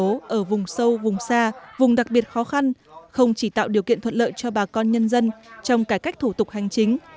các bản vùng số ở vùng sâu vùng xa vùng đặc biệt khó khăn không chỉ tạo điều kiện thuận lợi cho bà con nhân dân trong cải cách thủ tục hành chính